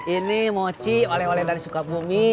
ini mochi oleh oleh dari sukabumi